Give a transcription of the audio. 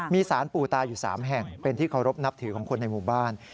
มีสารปู่ตาอยู่๓แห่งเป็นที่เคารพนับถือของคนในหมู่บ้าน